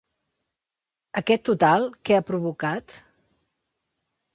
Aquest total, què ha provocat?